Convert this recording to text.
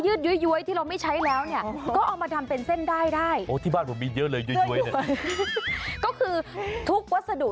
เอามาเป็นวัฒนธุ